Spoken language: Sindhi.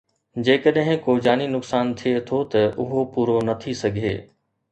جيڪڏهن ڪو جاني نقصان ٿئي ٿو ته اهو پورو نه ٿي سگهي